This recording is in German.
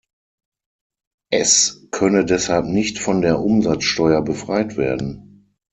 Es könne deshalb nicht von der Umsatzsteuer befreit werden.